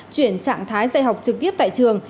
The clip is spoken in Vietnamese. chuyển trạng thái dạy học trực tiếp tại trường